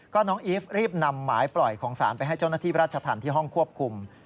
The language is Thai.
ก็น้องอีฟรีบนำหมายปล่อยของศาลไปให้เจ้าหน้าที่ราชธรรมที่ห้องควบคุม